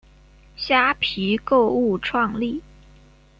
虾皮购物创立。